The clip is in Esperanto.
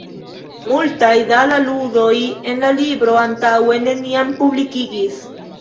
Multaj da la ludoj en la libro antaŭe neniam publikigis.